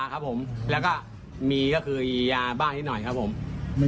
นี่ค่ะไม่กลัวความผิดไม่กลัวถูกดำเนินคดีด้วยคุณผู้ชมค่ะ